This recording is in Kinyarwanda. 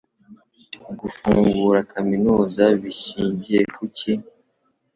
Gufungura Kaminuza Bishingiye kuki